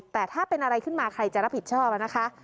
แต่ถ้าเป็นอะไรขึ้นมาใครจะรับผิดชอบนะคะ